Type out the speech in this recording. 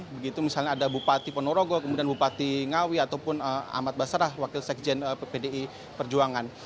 begitu misalnya ada bupati ponorogo kemudian bupati ngawi ataupun ahmad basarah wakil sekjen pdi perjuangan